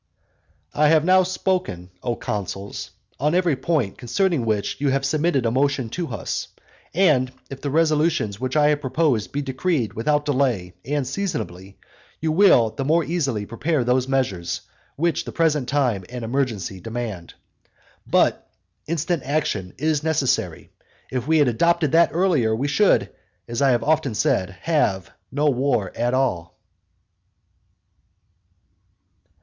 I have now spoken, O consuls, on every point concerning which you have submitted a motion to us; and if the resolutions which I have proposed be decreed without delay, and seasonably, you will the more easily prepare those measures which the present time and emergency demand. But instant action is necessary. And if we had adopted that earlier, we should, as I have often said, now have no war at all.